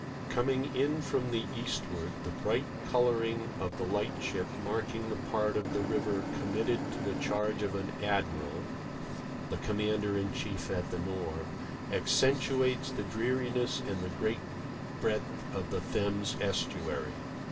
Coming in from the eastward, the bright colouring of the lightship marking the part of the river committed to the charge of an Admiral (the Commander in Chief at the Nore) accentuates the dreariness and the great breadth of the Thames Estuary.